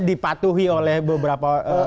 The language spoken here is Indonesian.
dipatuhi oleh beberapa